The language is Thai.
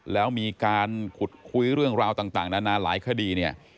แล้วมีการขุดคุยเรื่องราวต่างนานาหลายคดีเนี่ย